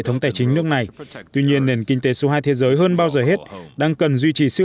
thống tài chính nước này tuy nhiên nền kinh tế số hai thế giới hơn bao giờ hết đang cần duy trì sức